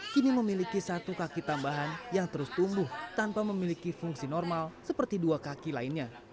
kini memiliki satu kaki tambahan yang terus tumbuh tanpa memiliki fungsi normal seperti dua kaki lainnya